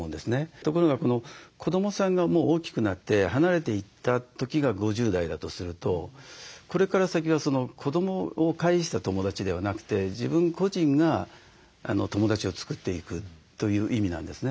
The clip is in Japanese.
ところが子どもさんが大きくなって離れていった時が５０代だとするとこれから先は子どもを介した友だちではなくて自分個人が友だちを作っていくという意味なんですね。